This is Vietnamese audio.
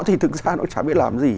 thì thực ra nó chả biết làm gì